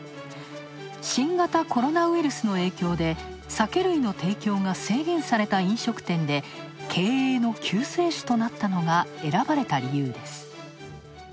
新型コロナウイルスの影響で酒類の提供が制限された飲食店で経営の救世主となったのが選ばれた理由です。